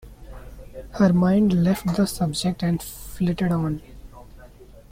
Her mind left the subject and flitted on.